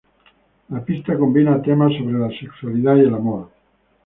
La pista combina temas sobre la sexualidad y el amor.